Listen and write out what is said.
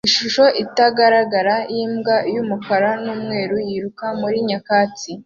Ishusho itagaragara yimbwa yumukara numweru yiruka muri nyakatsi